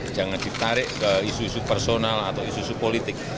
jangan ditarik ke isu isu personal atau isu isu politik